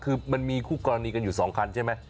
คือมันมีคู่กรณีกันอยู่๒คันใช่ไหม